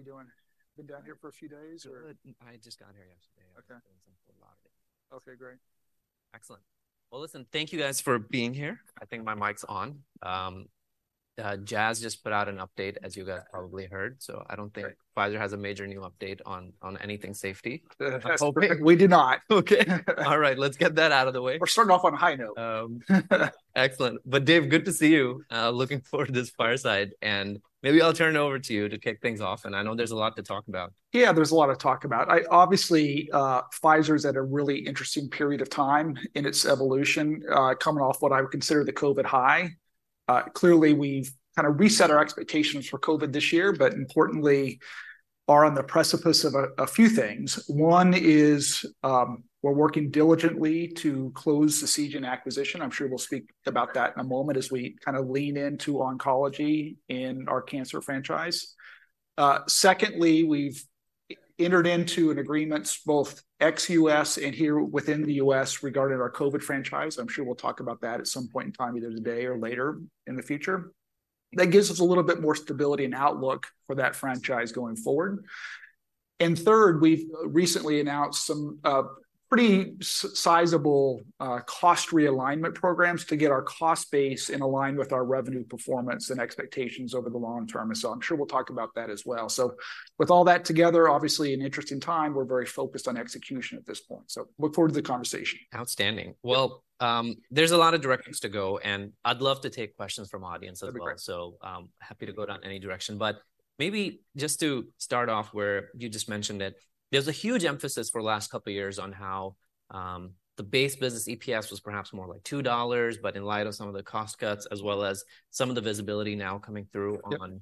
How you doing? Been down here for a few days, or? I just got here yesterday. Okay. There's a lot of it. Okay, great. Excellent. Well, listen, thank you guys for being here. I think my mic's on. Jas just put out an update, as you guys probably heard, so I don't think- Great. Pfizer has a major new update on anything safety. I'm hoping. We do not. Okay. All right, let's get that out of the way. We're starting off on a high note. Excellent. Dave, good to see you. Looking forward to this fireside, and maybe I'll turn it over to you to kick things off, and I know there's a lot to talk about. Yeah, there's a lot to talk about. I obviously, Pfizer's at a really interesting period of time in its evolution, coming off what I would consider the COVID high. Clearly, we've kind of reset our expectations for COVID this year, but importantly, are on the precipice of a few things. One is, we're working diligently to close the Seagen acquisition. I'm sure we'll speak about that in a moment as we kind of lean into oncology in our cancer franchise. Secondly, we've entered into an agreement, both ex-U.S. and here within the U.S.,regarding our COVID franchise. I'm sure we'll talk about that at some point in time, either today or later in the future. That gives us a little bit more stability and outlook for that franchise going forward. And third, we've recently announced some pretty sizable cost realignment programs to get our cost base in line with our revenue performance and expectations over the long term, and so I'm sure we'll talk about that as well. So with all that together, obviously an interesting time. We're very focused on execution at this point, so look forward to the conversation. Outstanding. Well, there's a lot of directions to go, and I'd love to take questions from audience as well. That'd be great. Happy to go down any direction, but maybe just to start off where you just mentioned it, there's a huge emphasis for the last couple of years on how the base business EPS was perhaps more like $2, but in light of some of the cost cuts, as well as some of the visibility now coming through on- Yep....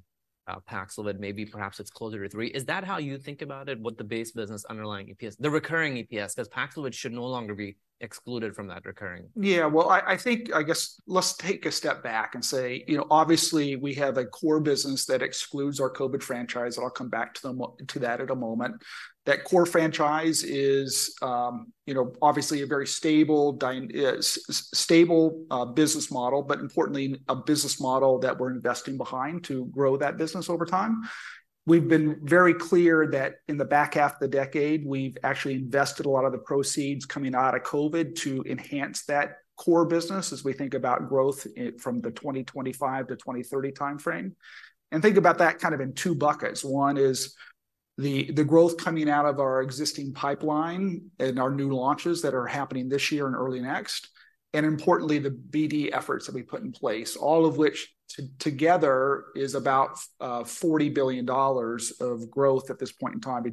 PAXLOVID, maybe perhaps it's closer to 3. Is that how you think about it, what the base business underlying EPS... the recurring EPS? Does PAXLOVID should no longer be excluded from that recurring? Yeah, well, I think, I guess let's take a step back and say, you know, obviously, we have a core business that excludes our COVID franchise. I'll come back to them to that in a moment. That core franchise is, you know, obviously a very stable business model, but importantly, a business model that we're investing behind to grow that business over time. We've been very clear that in the back half of the decade, we've actually invested a lot of the proceeds coming out of COVID to enhance that core business as we think about growth from the 2025-2030 timeframe. And think about that kind of in two buckets. One is the growth coming out of our existing pipeline and our new launches that are happening this year and early next, and importantly, the BD efforts that we put in place, all of which together is about $40 billion of growth at this point in time,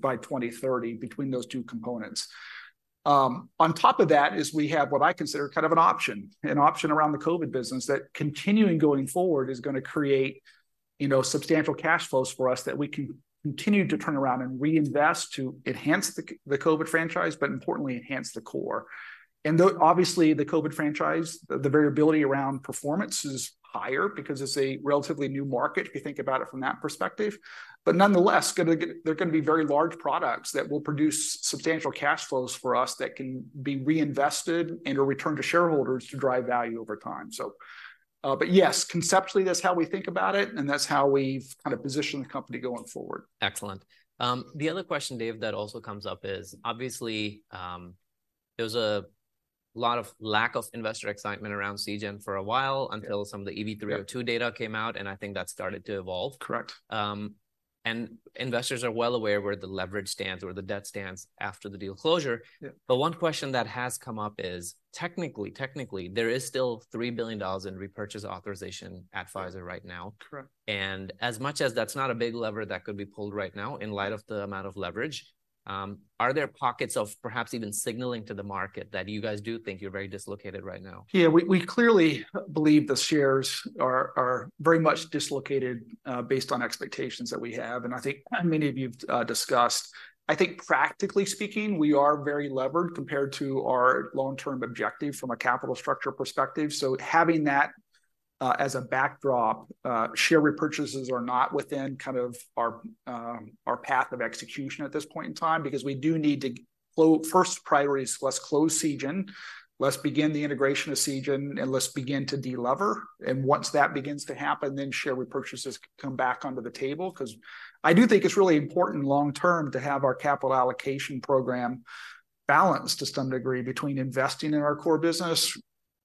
by 2030, between those two components. On top of that is we have what I consider kind of an option, an option around the COVID business, that continuing going forward is gonna create, you know, substantial cash flows for us that we can continue to turn around and reinvest to enhance the COVID franchise, but importantly, enhance the core. And though, obviously, the COVID franchise, the variability around performance is higher because it's a relatively new market, if you think about it from that perspective. But nonetheless, they're gonna be very large products that will produce substantial cash flows for us that can be reinvested and/or returned to shareholders to drive value over time. So, but yes, conceptually, that's how we think about it, and that's how we've kind of positioned the company going forward. Excellent. The other question, Dave, that also comes up is, obviously, there was a lot of lack of investor excitement around Seagen for a while until some of the EV-302 data came out, and I think that started to evolve. Correct. Investors are well aware where the leverage stands or the debt stands after the deal closure. Yeah. One question that has come up is, technically, there is still $3 billion in repurchase authorization at Pfizer right now. Correct. As much as that's not a big lever that could be pulled right now in light of the amount of leverage, are there pockets of perhaps even signaling to the market that you guys do think you're very dislocated right now? Yeah, we clearly believe the shares are very much dislocated, based on expectations that we have, and I think many of you've discussed. I think practically speaking, we are very levered compared to our long-term objective from a capital structure perspective. So having that as a backdrop, share repurchases are not within kind of our path of execution at this point in time, because we do need to flow. First priority is let's close Seagen, let's begin the integration of Seagen, and let's begin to de-lever, and once that begins to happen, then share repurchases come back onto the table. 'Cause I do think it's really important long term to have our capital allocation program balanced to some degree between investing in our core business,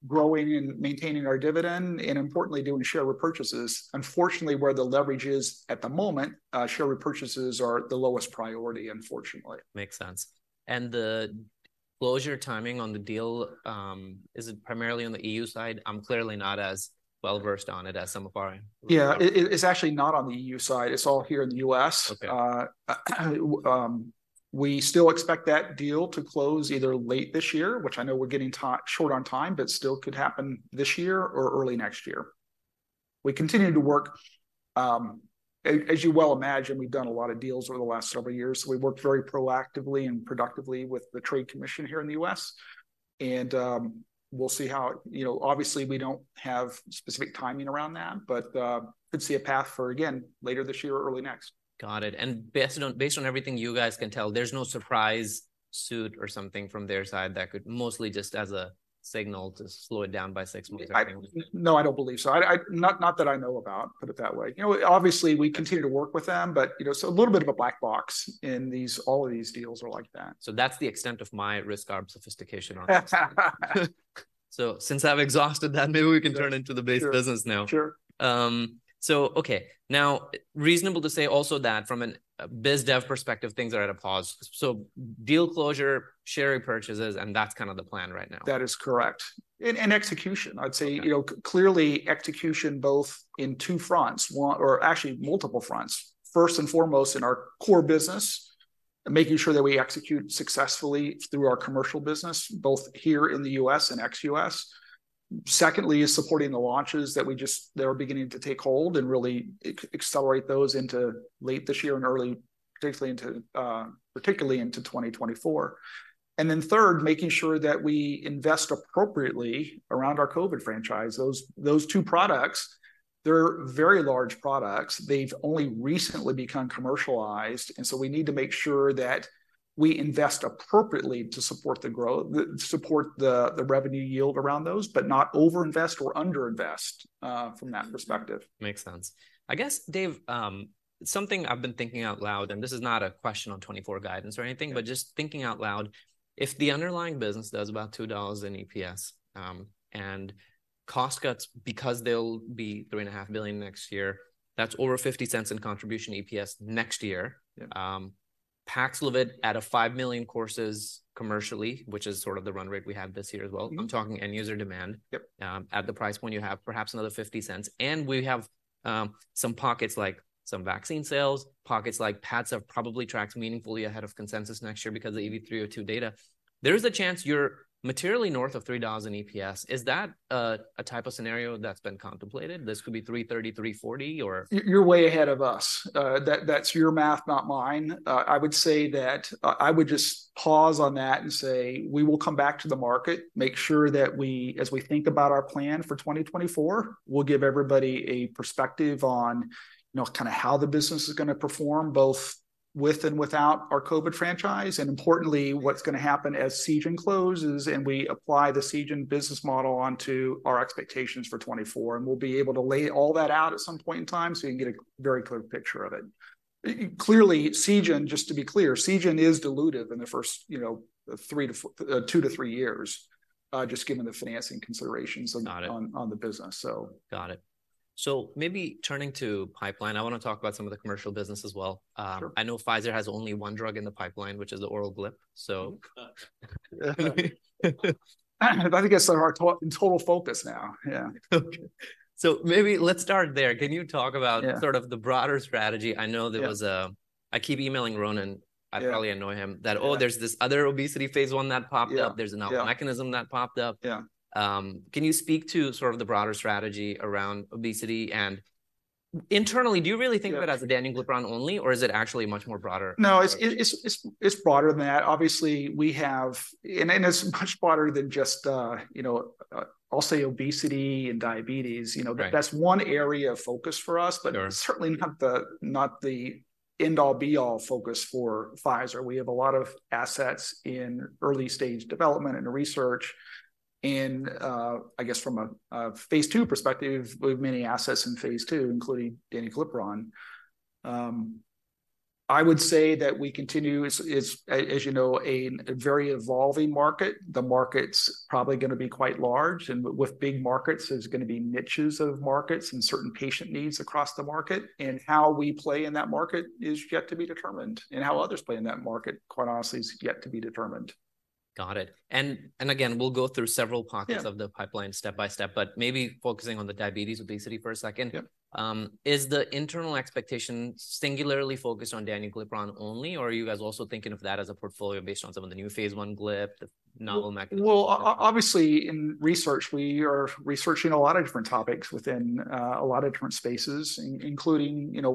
growing and maintaining our dividend, and importantly, doing share repurchases. Unfortunately, where the leverage is at the moment, share repurchases are the lowest priority, unfortunately. Makes sense. The closure timing on the deal, is it primarily on the EU side? I'm clearly not as well-versed on it as some of our- Yeah, it's actually not on the EU side. It's all here in the U.S. Okay. We still expect that deal to close either late this year, which I know we're getting tight on time, but still could happen this year or early next year. We continue to work as you well imagine, we've done a lot of deals over the last several years. So we've worked very proactively and productively with the Trade Commission here in the U.S., and we'll see how, you know, obviously we don't have specific timing around that, but could see a path for, again, later this year or early next. Got it. And based on, based on everything you guys can tell, there's no surprise suit or something from their side that could mostly just as a signal, just slow it down by six months or anything? No, I don't believe so. Not that I know about, put it that way. You know, obviously, we continue to work with them, but you know, so a little bit of a black box in these. All of these deals are like that. That's the extent of my risk arb sophistication on that. Since I've exhausted that, maybe we can turn into the base business now. Sure. So, okay, now, reasonable to say also that from a biz dev perspective, things are at a pause. So deal closure, share repurchases, and that's kind of the plan right now? That is correct. And execution, I'd say. Okay. You know, clearly execution both in two fronts, one or actually multiple fronts. First and foremost, in our core business, making sure that we execute successfully through our commercial business, both here in the U.S. and ex-U.S. Secondly, is supporting the launches that are beginning to take hold, and really accelerate those into late this year and early particularly into 2024. And then third, making sure that we invest appropriately around our COVID franchise. Those, those two products, they're very large products. They've only recently become commercialized, and so we need to make sure that we invest appropriately to support the growth, the, support the, the revenue yield around those, but not over-invest or under-invest from that perspective. Makes sense. I guess, Dave, something I've been thinking out loud, and this is not a question on 2024 guidance or anything- Yeah.... but just thinking out loud, if the underlying business does about $2 in EPS, and cost cuts, because they'll be $3.5 billion next year, that's over $0.50 in contribution EPS next year. Yeah. PAXLOVID at a 5 million courses commercially, which is sort of the run rate we have this year as well. I'm talking end user demand. Yep. At the price point, you have perhaps another $0.50, and we have some pockets, like some vaccine sales, pockets like Pats have probably tracked meaningfully ahead of consensus next year because of the AV 302 data. There is a chance you're materially north of $3 in EPS. Is that a type of scenario that's been contemplated? This could be $3.30, $3.40, or- You're way ahead of us. That, your math, not mine. I would say that, I would just pause on that and say, we will come back to the market, make sure that we... as we think about our plan for 2024, we'll give everybody a perspective on, you know, kind of how the business is gonna perform, both with and without our COVID franchise, and importantly, what's gonna happen as Seagen closes and we apply the Seagen business model onto our expectations for 2024, and we'll be able to lay all that out at some point in time, so you can get a very clear picture of it. Clearly, Seagen, just to be clear, Seagen is dilutive in the first, you know, two to three years, just given the financing considerations- Got it... on the business, so. Got it. Maybe turning to pipeline, I wanna talk about some of the commercial business as well. Sure. I know Pfizer has only one drug in the pipeline, which is the oral GLP, so. I think it's our total focus now. Yeah. Okay. So maybe let's start there. Yeah. Can you talk about- Yeah.... sort of the broader strategy? Yeah. I know there was. I keep emailing Ronan. Yeah. I probably annoy him. Yeah.... that, oh, there's this other obesity phase I that popped up. Yeah. There's a novel mechanism that popped up. Yeah. Can you speak to sort of the broader strategy around obesity? Internally, do you really think of it- Yeah.... as a danuglipron only, or is it actually much more broader? No, it's broader than that. Obviously, we have... and it's much broader than just, you know, I'll say obesity and diabetes. Right. You know, that's one area of focus for us- Sure.... but certainly not the end-all, be-all focus for Pfizer. We have a lot of assets in early-stage development and research, and I guess from a phase II perspective, we have many assets in phase II, including danuglipron. I would say that we continue, as you know, a very evolving market. The market's probably gonna be quite large, and with big markets, there's gonna be niches of markets and certain patient needs across the market, and how we play in that market is yet to be determined, and how others play in that market, quite honestly, is yet to be determined. Got it. And again, we'll go through several pockets- Yeah.... of the pipeline step by step, but maybe focusing on the diabetes obesity for a second. Yeah. Is the internal expectation singularly focused on danuglipron only, or are you guys also thinking of that as a portfolio based on some of the new phase I GLP, the novel mechanism? Well, obviously, in research, we are researching a lot of different topics within a lot of different spaces, including, you know,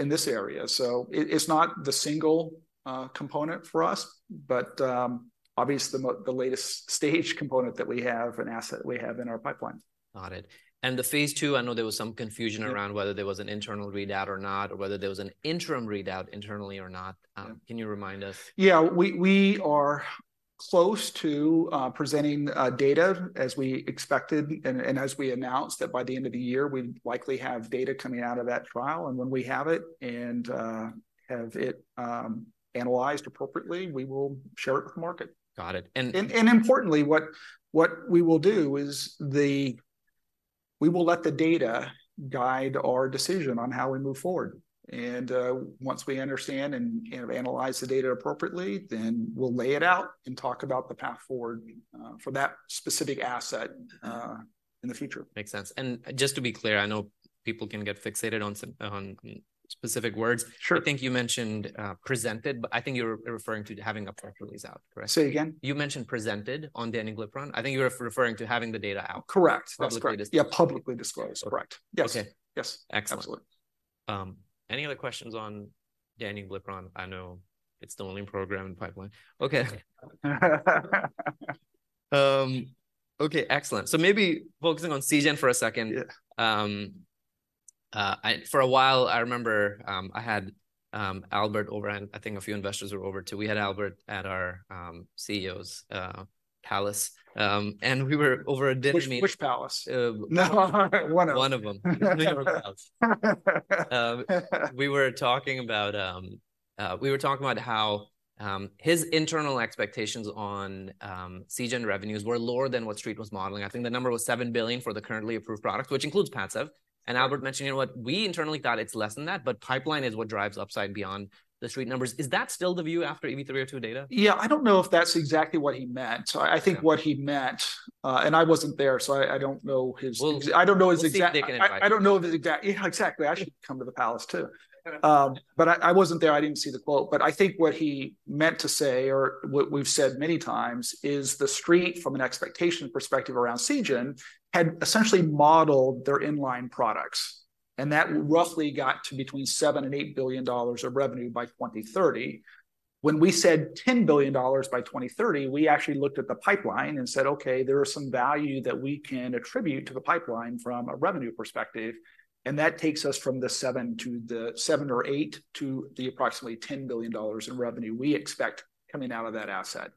in this area. So it's not the single component for us, but obviously, the latest stage component that we have, an asset we have in our pipeline. Got it. The phase II, I know there was some confusion around- Yeah.... whether there was an internal readout or not, or whether there was an interim readout internally or not? Yeah. Can you remind us? Yeah, we are close to presenting data as we expected, and as we announced, that by the end of the year, we'd likely have data coming out of that trial. And when we have it and have it analyzed appropriately, we will share it with the market. Got it. Importantly, what we will do is we will let the data guide our decision on how we move forward. And once we understand and, you know, analyze the data appropriately, then we'll lay it out and talk about the path forward for that specific asset in the future. Makes sense. And just to be clear, I know people can get fixated on specific words. Sure. I think you mentioned presented, but I think you were referring to having a press release out, correct? Say again. You mentioned presented on danuglipron. I think you were referring to having the data out- Correct. Publicly disclosed. That's correct. Yeah, publicly disclosed, correct. Okay. Yes. Excellent. Any other questions on danuglipron? I know it's the only program in pipeline. Okay. Okay, excellent. So maybe focusing on Seagen for a second. Yeah. For a while, I remember, I had Albert over, and I think a few investors were over, too. We had Albert at our CEO's palace, and we were over a dinner meeting- Which palace? No, one of them. One of them. We were talking about how his internal expectations on Seagen revenues were lower than what Street was modeling. I think the number was $7 billion for the currently approved products, which includes PADCEV. And Albert mentioned, "You know what? We internally thought it's less than that, but pipeline is what drives upside beyond the Street numbers." Is that still the view after EV-302 data? Yeah, I don't know if that's exactly what he meant. So I think what he meant, and I wasn't there, so I don't know his- We'll- I don't know his exact- We'll see if he can invite you. I don't know the exact... Yeah, exactly. I should come to the palace, too. But I wasn't there. I didn't see the quote. But I think what he meant to say, or what we've said many times, is the Street, from an expectation perspective around Seagen, had essentially modeled their in-line products, and that roughly got to between $7 billion and $8 billion of revenue by 2030. When we said $10 billion by 2030, we actually looked at the pipeline and said, "Okay, there is some value that we can attribute to the pipeline from a revenue perspective," and that takes us from the seven or eight to the approximately $10 billion in revenue we expect coming out of that asset.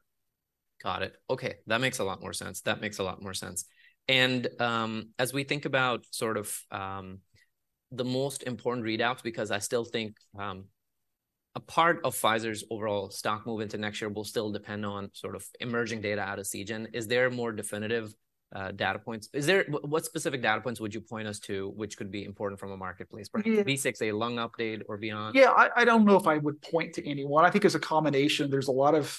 Got it. Okay, that makes a lot more sense. That makes a lot more sense. And, as we think about sort of, the most important readouts, because I still think, a part of Pfizer's overall stock move into next year will still depend on sort of emerging data out of Seagen. Is there more definitive, data points? Is there... What specific data points would you point us to, which could be important from a marketplace point? Yeah. B6, a lung update or beyond? Yeah, I don't know if I would point to any one. I think it's a combination. There's a lot of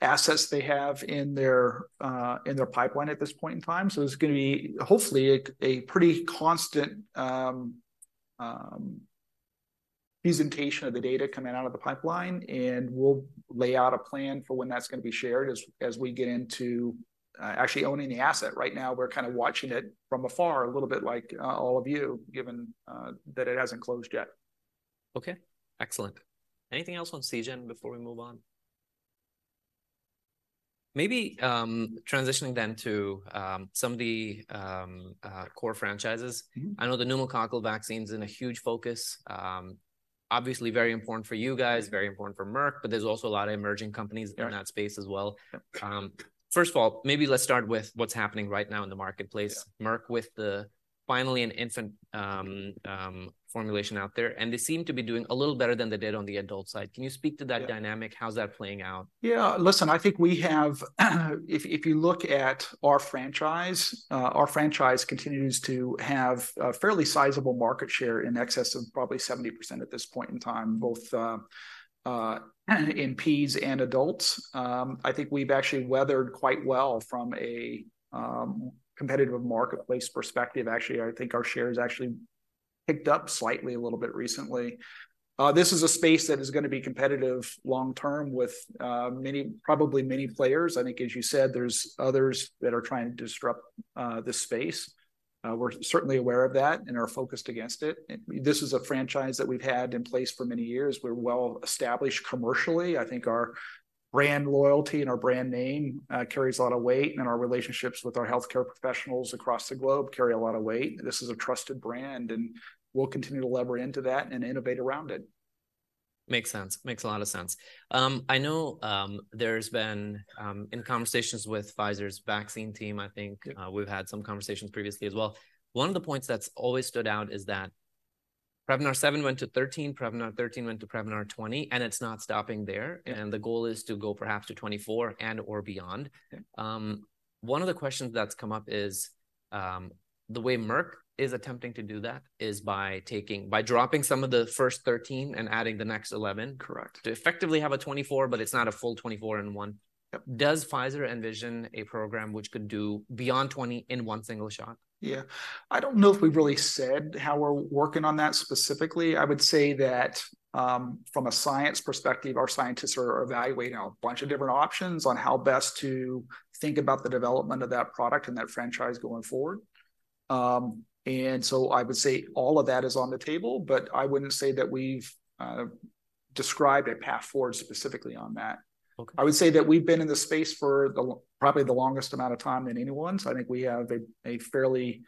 assets they have in their pipeline at this point in time. So there's gonna be, hopefully, a pretty constant presentation of the data coming out of the pipeline, and we'll lay out a plan for when that's gonna be shared as we get into actually owning the asset. Right now, we're kind of watching it from afar, a little bit like all of you, given that it hasn't closed yet. Okay, excellent. Anything else on Seagen before we move on? Maybe, transitioning then to some of the core franchises. I know the pneumococcal vaccine's been a huge focus. Obviously very important for you guys, very important for Merck, but there's also a lot of emerging companies- Yeah.... in that space as well. Yeah. First of all, maybe let's start with what's happening right now in the marketplace. Yeah. Merck with the... finally, an infant formulation out there, and they seem to be doing a little better than they did on the adult side. Can you speak to that dynamic? Yeah. How's that playing out? Yeah, listen, I think we have, if you look at our franchise, our franchise continues to have a fairly sizable market share in excess of probably 70% at this point in time, both in peds and adults. I think we've actually weathered quite well from a competitive marketplace perspective. Actually, I think our share has actually picked up slightly a little bit recently. This is a space that is gonna be competitive long term with many players. I think, as you said, there's others that are trying to disrupt this space. We're certainly aware of that and are focused against it. This is a franchise that we've had in place for many years. We're well-established commercially. I think our brand loyalty and our brand name, carries a lot of weight, and our relationships with our healthcare professionals across the globe carry a lot of weight. This is a trusted brand, and we'll continue to lever into that and innovate around it. Makes sense. Makes a lot of sense. I know, there's been in conversations with Pfizer's vaccine team. I think, we've had some conversations previously as well. One of the points that's always stood out is that Prevnar 7 went to 13, Prevnar 13 went to Prevnar 20, and it's not stopping there. Yeah. The goal is to go perhaps to 24 and/or beyond. Yeah. One of the questions that's come up is, the way Merck is attempting to do that is by dropping some of the first 13 and adding the next 11. Correct. To effectively have a 24, but it's not a full 24 in one. Yep. Does Pfizer envision a program which could do beyond 20 in one single shot? Yeah. I don't know if we've really said how we're working on that specifically. I would say that, from a science perspective, our scientists are evaluating a bunch of different options on how best to think about the development of that product and that franchise going forward. And so I would say all of that is on the table, but I wouldn't say that we've described a path forward specifically on that. Okay. I would say that we've been in this space for probably the longest amount of time than anyone, so I think we have a fairly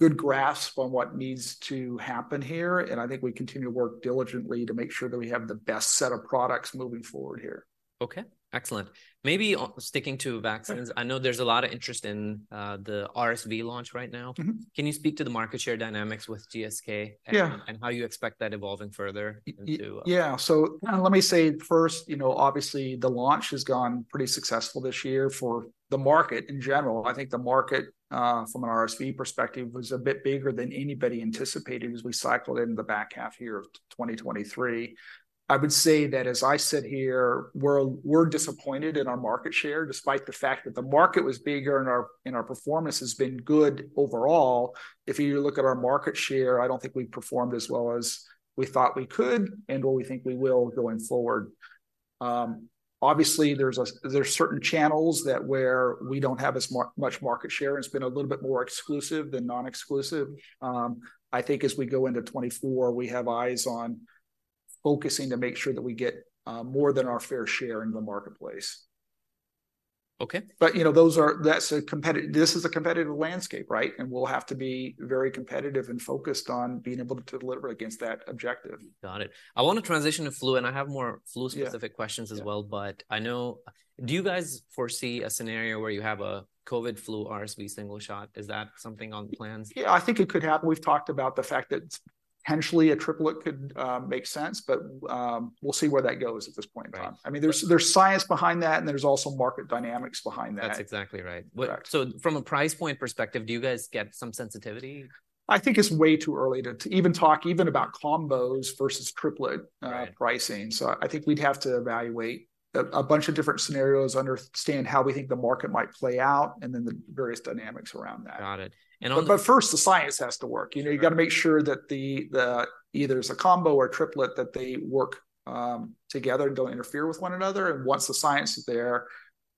good grasp on what needs to happen here, and I think we continue to work diligently to make sure that we have the best set of products moving forward here. Okay, excellent. Maybe on sticking to vaccines- Okay. I know there's a lot of interest in the RSV launch right now. Can you speak to the market share dynamics with GSK? Yeah. How you expect that evolving further into- Yeah, so let me say first, you know, obviously, the launch has gone pretty successful this year for the market in general. I think the market, from an RSV perspective, was a bit bigger than anybody anticipated as we cycled into the back half of 2023. I would say that as I sit here, we're disappointed in our market share, despite the fact that the market was bigger and our performance has been good overall. If you look at our market share, I don't think we performed as well as we thought we could and what we think we will going forward. Obviously there's certain channels that where we don't have as much market share, and it's been a little bit more exclusive than non-exclusive. I think as we go into 2024, we have eyes on focusing to make sure that we get more than our fair share in the marketplace. Okay. But, you know, this is a competitive landscape, right? We'll have to be very competitive and focused on being able to deliver against that objective. Got it. I want to transition to flu, and I have more flu- Yeah... specific questions as well. Yeah. But I know... Do you guys foresee a scenario where you have a COVID, flu, RSV single shot? Is that something on the plans? Yeah, I think it could happen. We've talked about the fact that potentially a triplet could make sense, but we'll see where that goes at this point in time. Right. I mean, there's science behind that, and there's also market dynamics behind that. That's exactly right. Right. So from a price point perspective, do you guys get some sensitivity? I think it's way too early to even talk about combos versus triplet. Right.... pricing. So I think we'd have to evaluate a bunch of different scenarios, understand how we think the market might play out, and then the various dynamics around that. Got it. But first, the science has to work. Right. You know, you've got to make sure that either it's a combo or triplet, that they work together and don't interfere with one another. And once the science is there,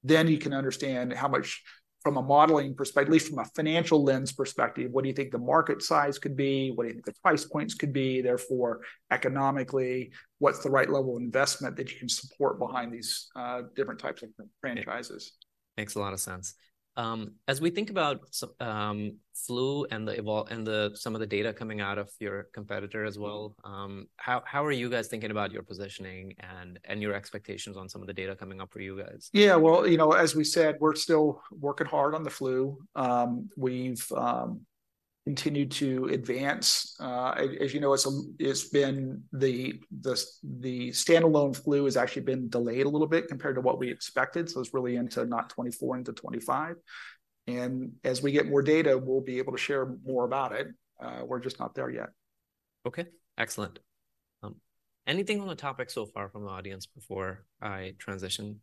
then you can understand how much, from a modelling perspective, at least from a financial lens perspective, what do you think the market size could be? What do you think the price points could be? Therefore, economically, what's the right level of investment that you can support behind these different types of franchises? Makes a lot of sense. As we think about flu and the evolution and some of the data coming out of your competitor as well, how are you guys thinking about your positioning and your expectations on some of the data coming up for you guys? Yeah, well, you know, as we said, we're still working hard on the flu. We've continued to advance. As you know, it's been the standalone flu has actually been delayed a little bit compared to what we expected, so it's really into not 2024, into 2025. As we get more data, we'll be able to share more about it. We're just not there yet. Okay, excellent. Anything on the topic so far from the audience before I transition?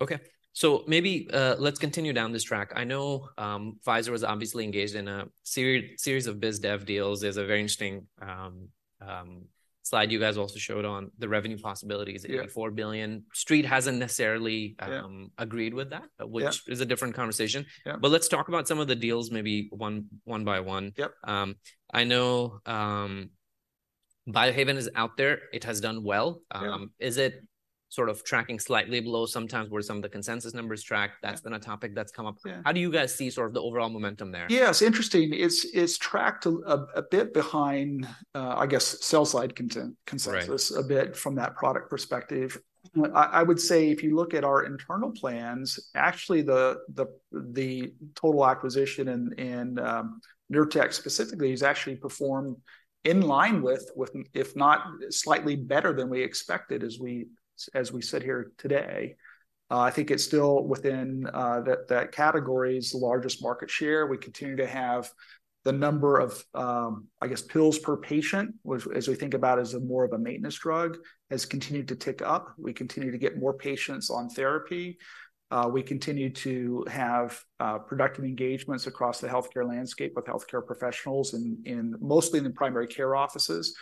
Okay, so maybe let's continue down this track. I know Pfizer was obviously engaged in a series of biz dev deals. There's a very interesting slide you guys also showed on the revenue possibilities- Yeah.... at $4 billion. Street hasn't necessarily- Yeah.... agreed with that- Yeah.... which is a different conversation. Yeah. Let's talk about some of the deals, maybe one by one. Yep. I know, Biohaven is out there. It has done well. Yeah. Is it sort of tracking slightly below sometimes where some of the consensus numbers track? Yeah. That's been a topic that's come up. Yeah. How do you guys see sort of the overall momentum there? Yeah, it's interesting. It's tracked a bit behind, I guess, sell side consensus- Right.... a bit from that product perspective. I would say if you look at our internal plans, actually the total acquisition and Nurtec specifically, has actually performed in line with, if not slightly better than we expected as we sit here today. I think it's still within that category's largest market share. We continue to have the number of, I guess, pills per patient, which as we think about as more of a maintenance drug, has continued to tick up. We continue to get more patients on therapy. We continue to have productive engagements across the healthcare landscape with healthcare professionals in mostly in the primary care offices.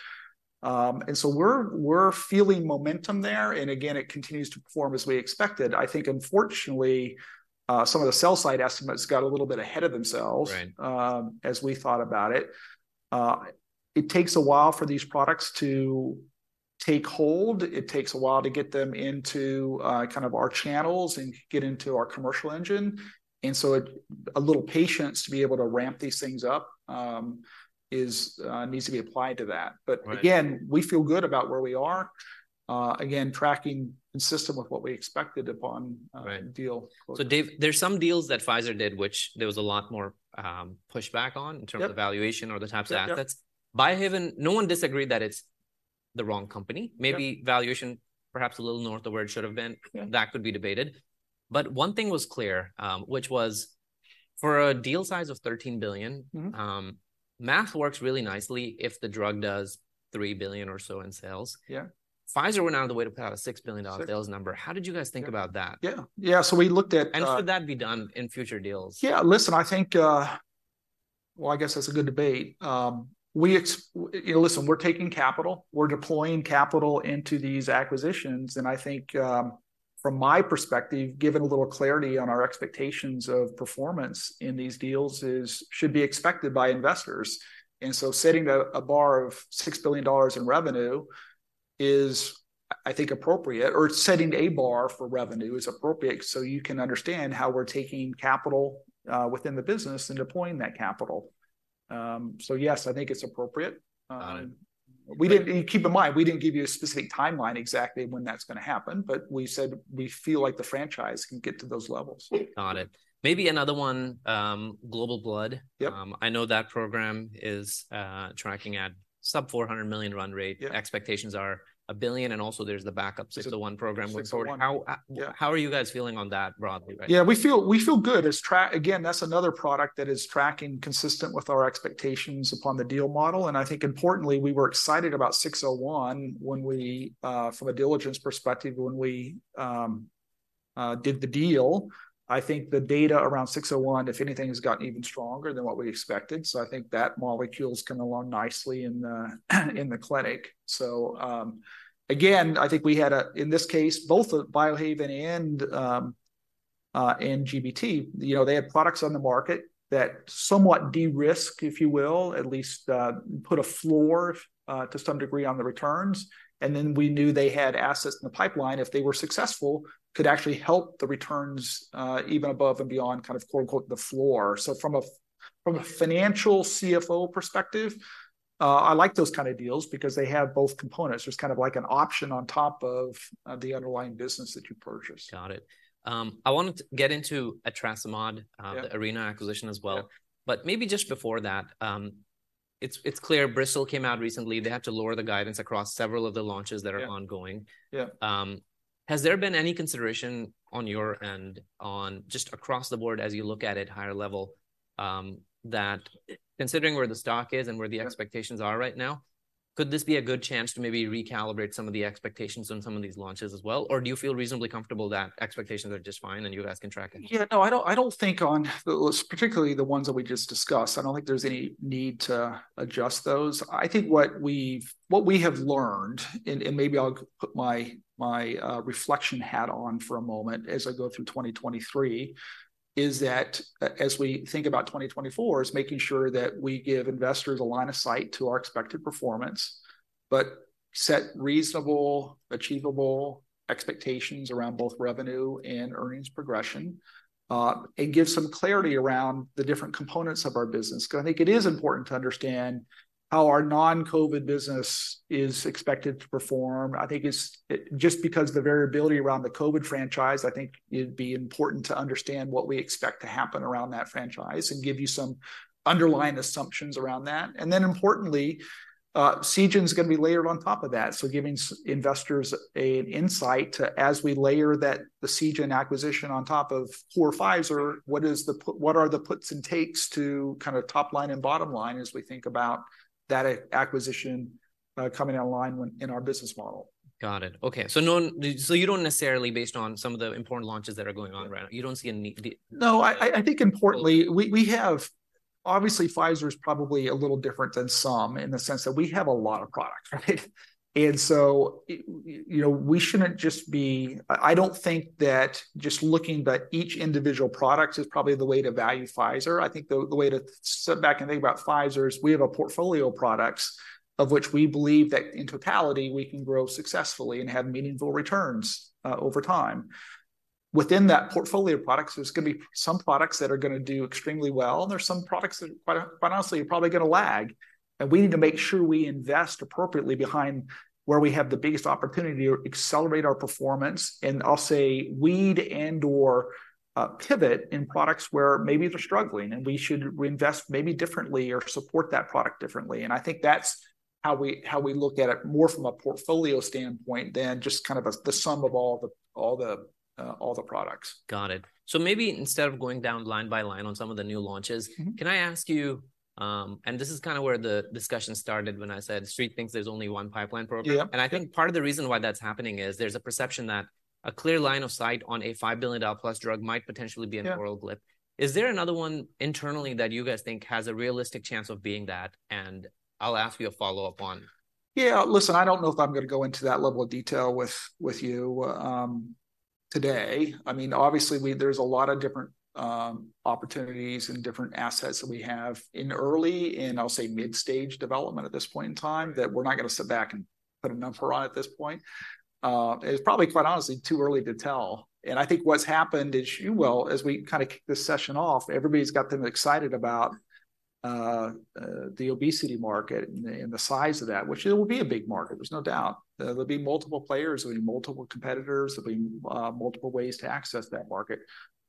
And so we're feeling momentum there, and again, it continues to perform as we expected. I think unfortunately, some of the sell-side estimates got a little bit ahead of themselves- Right.... as we thought about it. It takes a while for these products to take hold. It takes a while to get them into, kind of our channels and get into our commercial engine, and so a little patience to be able to ramp these things up needs to be applied to that. Right. But again, we feel good about where we are, again, tracking consistent with what we expected upon- Right.... deal. So Dave, there's some deals that Pfizer did, which there was a lot more pushback on- Yep.... in terms of valuation or the types of assets. Yep. Biohaven, no one disagreed that it's the wrong company. Yeah. Maybe valuation, perhaps a little north of where it should have been. Yeah. That could be debated. But one thing was clear, which was for a deal size of $13 billion math works really nicely if the drug does $3 billion or so in sales. Yeah. Pfizer went out of the way to put out a $6 billion sales number. Six. How did you guys think about that? Yeah, so we looked at Should that be done in future deals? Yeah, listen, I think... Well, I guess that's a good debate. We you know, listen, we're taking capital, we're deploying capital into these acquisitions, and I think, from my perspective, giving a little clarity on our expectations of performance in these deals is, should be expected by investors. And so setting a, a bar of $6 billion in revenue is, I think, appropriate, or setting a bar for revenue is appropriate, so you can understand how we're taking capital, within the business and deploying that capital. So yes, I think it's appropriate. Got it. Keep in mind, we didn't give you a specific timeline exactly when that's gonna happen, but we said we feel like the franchise can get to those levels. Got it. Maybe another one, Global Blood. Yep. I know that program is tracking at sub-$400 million run rate. Yeah. Expectations are $1 billion, and also there's the backup- 601.... 601 program we're supporting. 601, yeah. How are you guys feeling on that broadly, right now? Yeah, feel, we feel good. Again, that's another product that is tracking consistent with our expectations upon the deal model, and I think importantly, we were excited about 601 when we, from a diligence perspective, when we, did the deal. I think the data around 601, if anything, has gotten even stronger than what we expected. So I think that molecule's come along nicely in the clinic. So, again, I think we had a, in this case, both, Biohaven and GBT, you know, they had products on the market that somewhat de-risk, if you will, at least, put a floor, to some degree, on the returns. And then we knew they had assets in the pipeline, if they were successful, could actually help the returns, even above and beyond, kind of quote-unquote, "the floor." So from a financial CFO perspective, I like those kind of deals because they have both components. There's kind of like an option on top of the underlying business that you purchased. Got it. I wanted to get into Atrasimod- Yeah.... the Arena acquisition as well. Yeah. Maybe just before that, it's clear Bristol came out recently. They had to lower the guidance across several of the launches that are ongoing. Yeah. Has there been any consideration on your end, just across the board as you look at it higher level, that considering where the stock is and where- Yeah.... the expectations are right now, could this be a good chance to maybe recalibrate some of the expectations on some of these launches as well? Or do you feel reasonably comfortable that expectations are just fine and you guys can track it? Yeah, no, I don't, I don't think on, particularly the ones that we just discussed, I don't think there's any need to adjust those. I think what we've... what we have learned, and, and maybe I'll put my, reflection hat on for a moment as I go through 2023, is that as we think about 2024, is making sure that we give investors a line of sight to our expected performance, but set reasonable, achievable expectations around both revenue and earnings progression, and give some clarity around the different components of our business. Because I think it is important to understand how our non-COVID business is expected to perform. I think it's just because the variability around the COVID franchise, I think it'd be important to understand what we expect to happen around that franchise and give you some underlying assumptions around that. And then importantly, Seagen's gonna be layered on top of that. So giving investors an insight to, as we layer that, the Seagen acquisition on top of four, five, or what are the puts and takes to kind of top line and bottom line as we think about that acquisition, coming online when, in our business model. Got it. Okay. So no, so you don't necessarily, based on some of the important launches that are going on right now, you don't see any No, I think importantly, we have, obviously, Pfizer is probably a little different than some, in the sense that we have a lot of products, right? And so, you know, we shouldn't just be... I don't think that just looking by each individual product is probably the way to value Pfizer. I think the way to sit back and think about Pfizer is, we have a portfolio of products of which we believe that in totality, we can grow successfully and have meaningful returns, over time. Within that portfolio of products, there's gonna be some products that are gonna do extremely well, and there are some products that, quite honestly, are probably gonna lag. And we need to make sure we invest appropriately behind where we have the biggest opportunity to accelerate our performance, and I'll say, we'd and/or pivot in products where maybe they're struggling, and we should reinvest maybe differently or support that product differently. And I think that's how we look at it, more from a portfolio standpoint than just kind of the sum of all the products. Got it. So maybe instead of going down line-by- line on some of the new launches can I ask you, and this is kind of where the discussion started when I said, Street thinks there's only one pipeline program. Yeah. I think part of the reason why that's happening is there's a perception that a clear line of sight on a $5 billion-plus drug might potentially be... Yeah.... an oral GLP. Is there another one internally that you guys think has a realistic chance of being that? And I'll ask you a follow-up on. Yeah, listen, I don't know if I'm gonna go into that level of detail with you, today. I mean, obviously, there's a lot of different opportunities and different assets that we have in early, and I'll say mid-stage development at this point in time, that we're not gonna sit back and put a number on at this point. It's probably, quite honestly, too early to tell. And I think what's happened is, you will, as we kind of kick this session off, everybody's got them excited about the obesity market, and the size of that, which it will be a big market, there's no doubt. There will be multiple players, there'll be multiple competitors, there'll be multiple ways to access that market,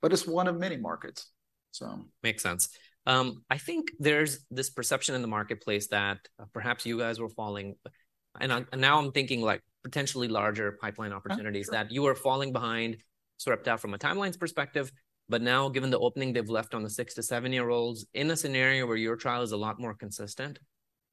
but it's one of many markets, so. Makes sense. I think there's this perception in the marketplace that perhaps you guys were falling... I, now I'm thinking, like, potentially larger pipeline opportunities- Yeah, sure... that you were falling behind, sort of doubt from a timelines perspective, but now, given the opening they've left on the 6-7-year-olds, in a scenario where your trial is a lot more consistent,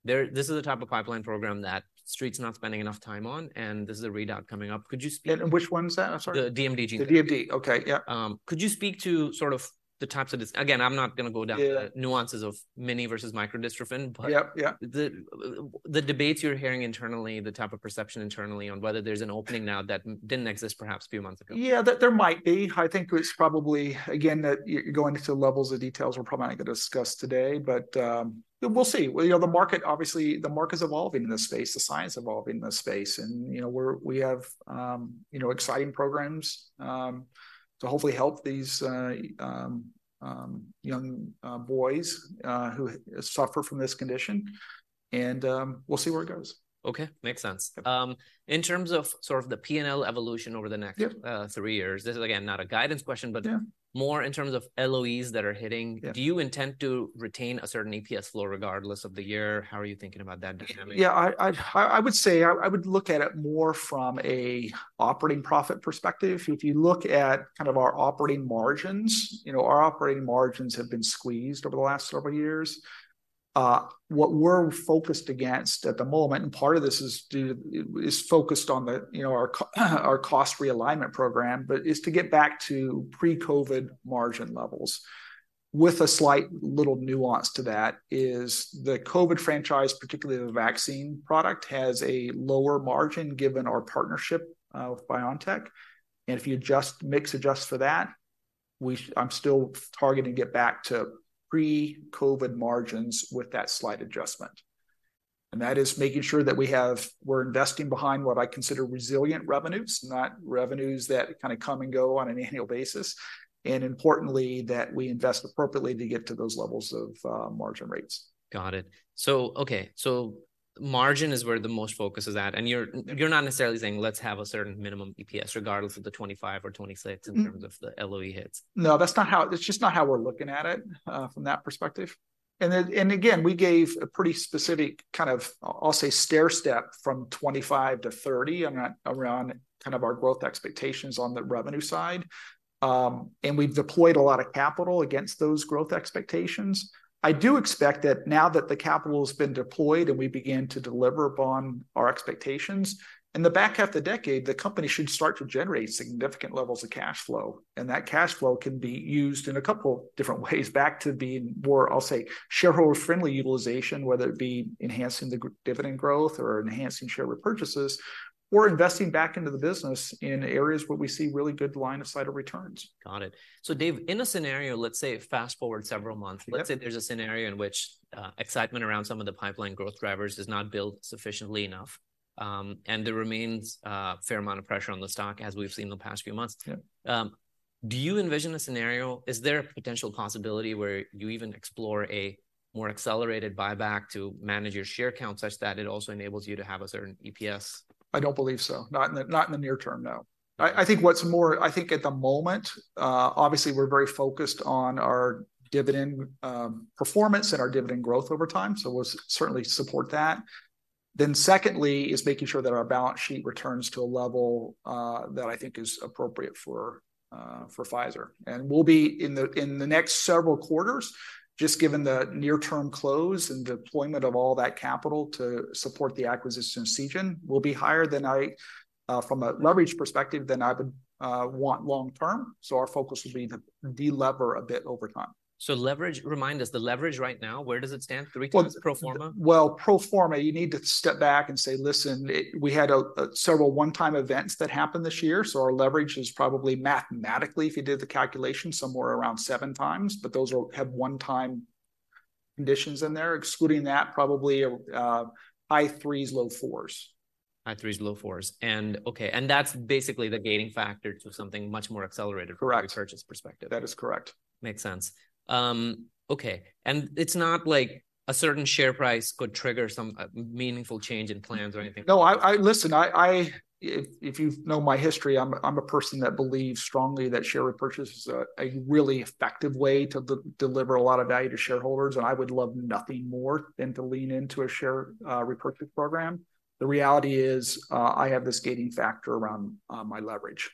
there, this is the type of pipeline program that Street's not spending enough time on, and this is a readout coming up. Could you speak- And which one is that? Sorry. The DMD gene. The DMD, okay, yeah. Could you speak to sort of the types of dis- again, I'm not gonna go down- Yeah.... the nuances of mini versus micro dystrophin, but- Yep, yeah.... the debates you're hearing internally, the type of perception internally on whether there's an opening now that m- didn't exist perhaps a few months ago? Yeah, there might be. I think it's probably, again, that you're going into levels of details we're probably not gonna discuss today, but, we'll see. Well, you know, the market, obviously, the market is evolving in this space, the science evolving in this space. And, you know, we're - we have, you know, exciting programs, to hopefully help these, young, boys, who suffer from this condition. And, we'll see where it goes. Okay, makes sense. Yeah. In terms of sort of the P&L evolution over the next- Yeah.... three years, this is again, not a guidance question- Yeah.... but more in terms of LOEs that are hitting. Yeah. Do you intend to retain a certain EPS flow regardless of the year? How are you thinking about that dynamic? Yeah, I would say, I would look at it more from an operating profit perspective. If you look at kind of our operating margins, you know, our operating margins have been squeezed over the last several years. What we're focused on at the moment, and part of this is due, is focused on the, you know, our cost realignment program, but is to get back to pre-COVID margin levels. With a slight little nuance to that, is the COVID franchise, particularly the vaccine product, has a lower margin given our partnership with BioNTech. And if you mix adjust for that, I'm still targeting to get back to pre-COVID margins with that slight adjustment. That is making sure that we're investing behind what I consider resilient revenues, not revenues that kind of come and go on an annual basis, and importantly, that we invest appropriately to get to those levels of margin rates. Got it. So, okay, so margin is where the most focus is at, and you're not necessarily saying, "Let's have a certain minimum EPS, regardless of the 2025 or 2026 in terms of the LOE hits? No, that's not how... That's just not how we're looking at it from that perspective. And again, we gave a pretty specific kind of, I'll say, stairstep from 2025-2030 around kind of our growth expectations on the revenue side. And we've deployed a lot of capital against those growth expectations. I do expect that now that the capital has been deployed, and we begin to deliver upon our expectations, in the back half of the decade, the company should start to generate significant levels of cash flow. And that cash flow can be used in a couple of different ways, back to being more, I'll say, shareholder-friendly utilization, whether it be enhancing the dividend growth or enhancing share repurchases, or investing back into the business in areas where we see really good line of sight of returns. Got it. So, Dave, in a scenario, let's say, fast-forward several months- Yep. Let's say there's a scenario in which excitement around some of the pipeline growth drivers does not build sufficiently enough, and there remains a fair amount of pressure on the stock, as we've seen in the past few months. Yeah. Do you envision a scenario? Is there a potential possibility where you even explore a more accelerated buyback to manage your share count, such that it also enables you to have a certain EPS? I don't believe so. Not in the, not in the near term, no. I, I think what's more... I think at the moment, obviously we're very focused on our dividend, performance and our dividend growth over time, so we'll certainly support that. Then secondly, is making sure that our balance sheet returns to a level, that I think is appropriate for Pfizer. And we'll be, in the, in the next several quarters, just given the near-term close and deployment of all that capital to support the acquisition of Seagen, will be higher than I, from a leverage perspective, than I would, want long term. So our focus will be to de-lever a bit over time. Leverage, remind us, the leverage right now, where does it stand? Well- Three times pro forma? Well, pro forma, you need to step back and say, listen, we had several one-time events that happened this year, so our leverage is probably, mathematically, if you did the calculation, somewhere around 7x, but those have one-time conditions in there. Excluding that, probably high 3s, low 4s. High threes, low fours. And okay, and that's basically the gating factor to something much more accelerated- Correct.... from a repurchase perspective. That is correct. Makes sense. Okay, and it's not like a certain share price could trigger some meaningful change in plans or anything? No. Listen, if you know my history, I'm a person that believes strongly that share repurchase is a really effective way to deliver a lot of value to shareholders, and I would love nothing more than to lean into a share repurchase program. The reality is, I have this gating factor around my leverage,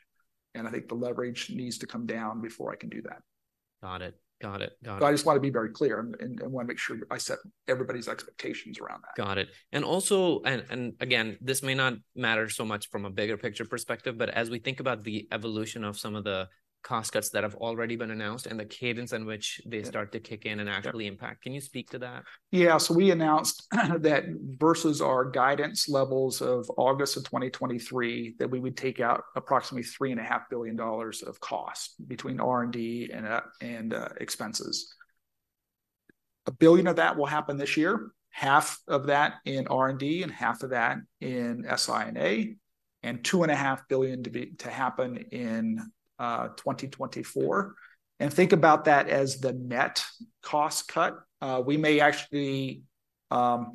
and I think the leverage needs to come down before I can do that. Got it. So I just want to be very clear, and I want to make sure I set everybody's expectations around that. Got it. And also, again, this may not matter so much from a bigger picture perspective, but as we think about the evolution of some of the cost cuts that have already been announced and the cadence in which- Yeah.... they start to kick in and actually- Yeah.... impact, can you speak to that? Yeah. So we announced that versus our guidance levels of August of 2023, that we would take out approximately $3.5 billion of cost between R&D and expenses. $1 billion of that will happen this year, $500 million of that in R&D, and $500 million of that in SI&A, and $2.5 billion to happen in 2024. And think about that as the net cost cut. We may actually cut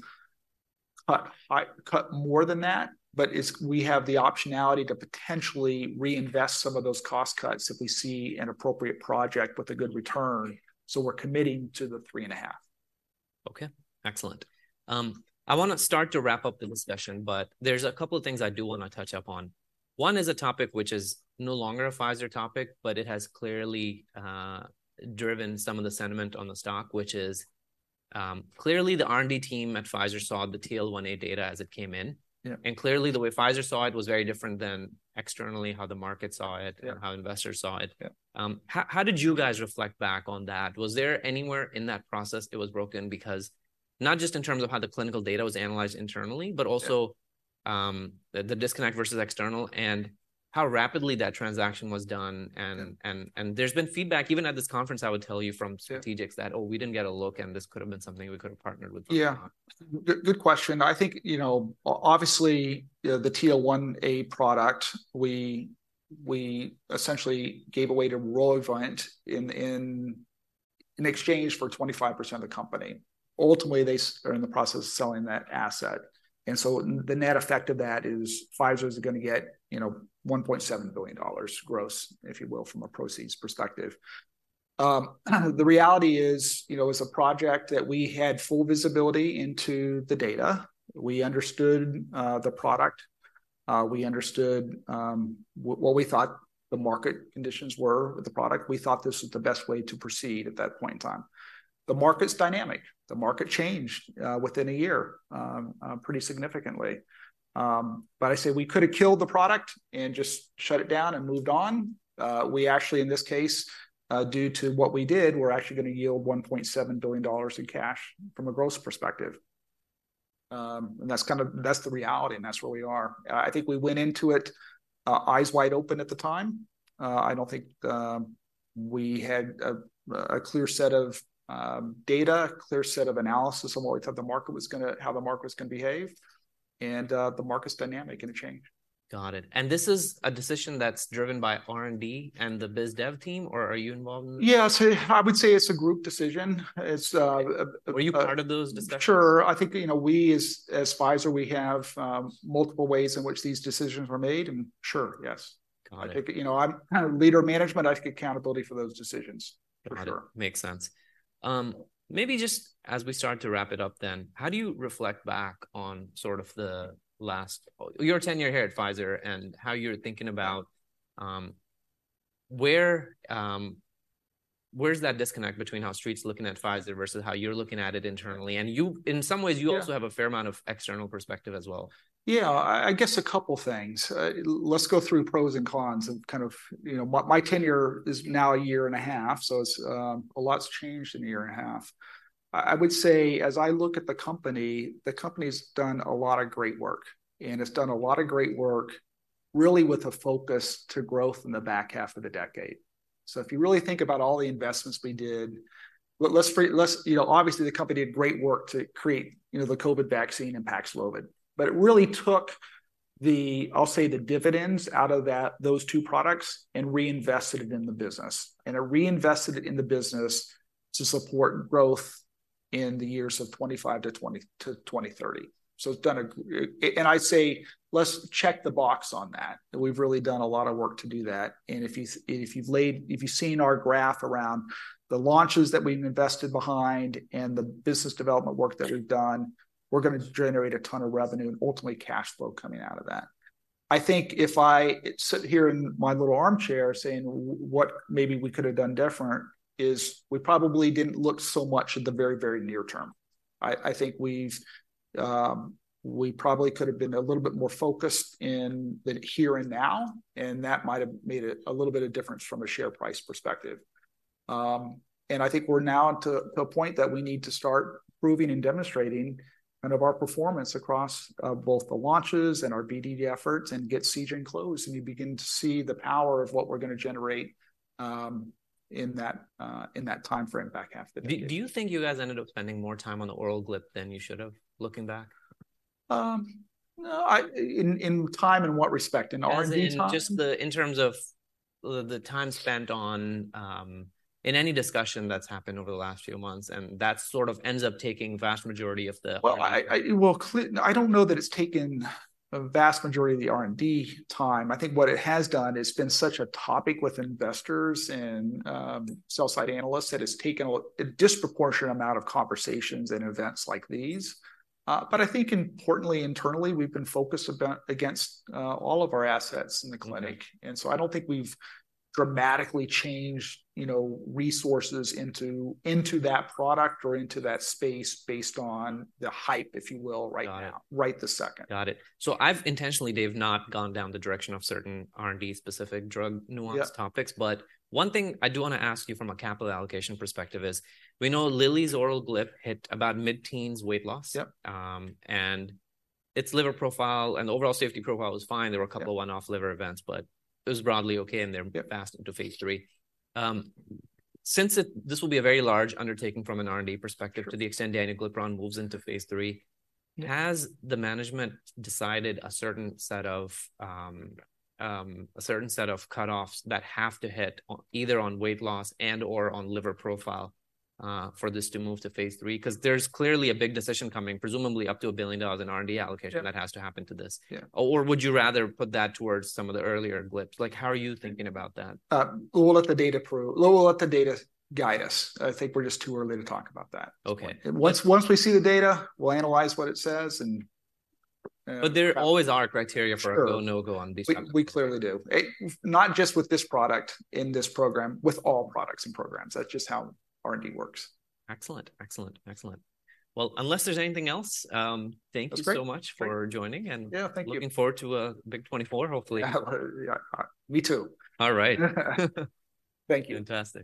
more than that, but it's we have the optionality to potentially reinvest some of those cost cuts if we see an appropriate project with a good return, so we're committing to the $3.5 billion. Okay, excellent. I want to start to wrap up the discussion, but there's a couple of things I do want to touch up on. One is a topic which is no longer a Pfizer topic, but it has clearly driven some of the sentiment on the stock, which is clearly, the R&D team at Pfizer saw the TL1A data as it came in. Yeah. Clearly, the way Pfizer saw it was very different than externally, how the market saw it- Yeah.... or how investors saw it. Yeah. How, how did you guys reflect back on that? Was there anywhere in that process that was broken? Because not just in terms of how the clinical data was analyzed internally- Yeah.... but also, the disconnect versus external and how rapidly that transaction was done and- Yeah.... and there's been feedback, even at this conference, I would tell you, from- Sure.... strategics that, "Oh, we didn't get a look, and this could have been something we could have partnered with. Yeah. Good, good question. I think, you know, obviously, the TL1A product, we essentially gave away to Roivant in exchange for 25% of the company. Ultimately, they are in the process of selling that asset, and so the net effect of that is Pfizer is going to get, you know, $1.7 billion gross, if you will, from a proceeds perspective. The reality is, you know, it's a project that we had full visibility into the data. We understood the product. We understood what we thought the market conditions were with the product. We thought this was the best way to proceed at that point in time. The market's dynamic, the market changed within a year pretty significantly. But I say we could have killed the product and just shut it down and moved on. We actually, in this case, due to what we did, we're actually going to yield $1.7 billion in cash from a gross perspective. And that's kind of - that's the reality, and that's where we are. I think we went into it, eyes wide open at the time. I don't think we had a clear set of data, a clear set of analysis on what we thought the market was going to - how the market was going to behave. The market's dynamic, and it changed. Got it. And this is a decision that's driven by R&D and the biz dev team, or are you involved in this? Yeah, so I would say it's a group decision. It's Were you part of those discussions? Sure. I think, you know, we as Pfizer, we have multiple ways in which these decisions are made, and sure, yes. Got it. I think, you know, I'm kind of leader of management. I take accountability for those decisions, for sure. Got it. Makes sense. Maybe just as we start to wrap it up then, how do you reflect back on sort of the last... your tenure here at Pfizer, and how you're thinking about where's that disconnect between how street's looking at Pfizer versus how you're looking at it internally? And you, in some ways- Yeah.... you also have a fair amount of external perspective as well. Yeah, I guess a couple things. Let's go through pros and cons of kind of, you know, my tenure is now a year and a half, so it's a lot's changed in a year and a half. I would say, as I look at the company, the company's done a lot of great work, and it's done a lot of great work, really with a focus to growth in the back half of the decade. So if you really think about all the investments we did, let's, you know, obviously, the company did great work to create, you know, the COVID vaccine and PAXLOVID, but it really took the, I'll say, the dividends out of that - those two products and reinvested it in the business. It reinvested it in the business to support growth in the years of 2025 to 2030. So it's done and I'd say, let's check the box on that, and we've really done a lot of work to do that. If you've seen our graph around the launches that we've invested behind and the business development work that we've done, we're going to generate a ton of revenue and ultimately cash flow coming out of that. I think if I sit here in my little armchair saying, what maybe we could have done different, is we probably didn't look so much at the very, very near term. I think we probably could have been a little bit more focused in the here and now, and that might have made a little bit of difference from a share price perspective. And I think we're now to the point that we need to start proving and demonstrating kind of our performance across both the launches and our efforts and get Seagen closed, and you begin to see the power of what we're going to generate, in that timeframe, back half of the decade. Do you think you guys ended up spending more time on the oral GLP than you should have, looking back? No, in time, in what respect? In R&D time? As in just the, in terms of the time spent on, in any discussion that's happened over the last few months, and that sort of ends up taking vast majority of the- I don't know that it's taken a vast majority of the R&D time. I think what it has done, it's been such a topic with investors and sell-side analysts, that it's taken a disproportionate amount of conversations in events like these. But I think importantly, internally, we've been focused against all of our assets in the clinic. And so I don't think we've dramatically changed, you know, resources into that product or into that space based on the hype, if you will, right now- Got it.... right this second. Got it. So I've intentionally, Dave, not gone down the direction of certain R&D-specific drug nuance topics. Yeah. One thing I do want to ask you from a capital allocation perspective is, we know Lilly's oral GLP hit about mid-teens weight loss. Yep. Its liver profile and overall safety profile was fine. Yeah. There were a couple of one-off liver events, but it was broadly okay, and they're- Yeah.... fast into phase III. Since this will be a very large undertaking from an R&D perspective- Sure.... to the extent danuglipron moves into phase III has the management decided a certain set of, a certain set of cut-offs that have to hit on, either on weight loss and or on liver profile, for this to move to phase III? Because there's clearly a big decision coming, presumably up to $1 billion in R&D allocation- Yeah.... that has to happen to this. Yeah. Or would you rather put that towards some of the earlier GLPs? Like, how are you thinking about that? We'll let the data prove... We'll let the data guide us. I think we're just too early to talk about that. Okay. Once we see the data, we'll analyze what it says, and But there always are criteria for- Sure.... a go, no-go on these type- We clearly do. Not just with this product in this program, with all products and programs. That's just how R&D works. Excellent, excellent, excellent. Well, unless there's anything else, That's great.... thank you so much for joining, and- Yeah, thank you.... looking forward to a big 2024, hopefully. Yeah. Me too. All right. Thank you. Fantastic.